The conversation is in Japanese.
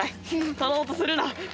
取ろうとするな！